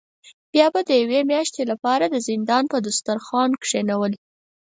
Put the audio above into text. بیا به د یوې میاشتې له پاره د زندان په دسترخوان کینول.